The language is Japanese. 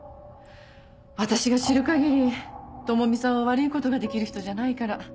私が知る限り朋美さんは悪い事が出来る人じゃないから。